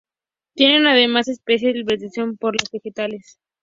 Tiene además, especial predilección por los vegetales.